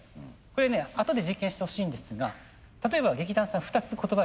これねあとで実験してほしいんですが例えば劇団さん２つ言葉ありましたよね。